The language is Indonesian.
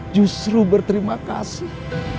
justru berterima kasih